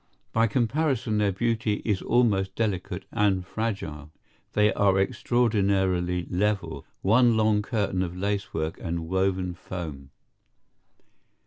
By comparison their beauty is almost delicate and fragile. They are extraordinarily level, one long curtain of lacework and woven foam.